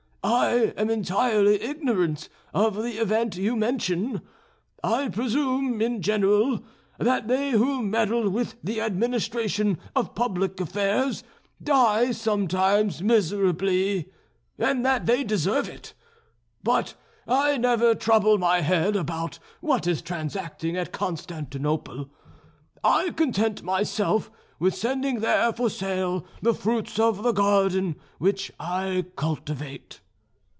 I am entirely ignorant of the event you mention; I presume in general that they who meddle with the administration of public affairs die sometimes miserably, and that they deserve it; but I never trouble my head about what is transacting at Constantinople; I content myself with sending there for sale the fruits of the garden which I cultivate."